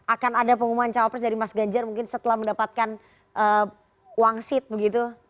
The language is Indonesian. akan ada pengumuman cawapres dari mas ganjar mungkin setelah mendapatkan wangsit begitu